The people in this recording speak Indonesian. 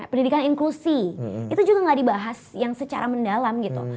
pendidikan inklusi itu juga nggak dibahas yang secara mendalam gitu